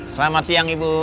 selamat siang ibu